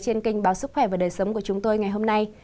trên kênh báo sức khỏe và đời sống của chúng tôi ngày hôm nay